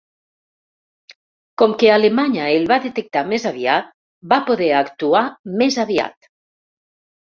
Com que Alemanya el va detectar més aviat, va poder actuar més aviat.